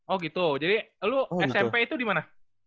oh gitu jadi lu smp itu dimana